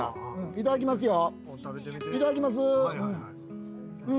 いただきますよ。